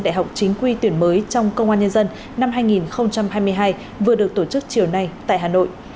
đại học chính quy tuyển mới trong công an nhân dân năm hai nghìn hai mươi hai vừa được tổ chức chiều nay tại hà nội